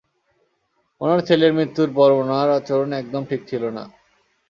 উনার ছেলের মৃত্যুর পর উনার আচরণ একদম ঠিক ছিল না।